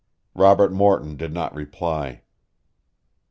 Robert Morton did not reply.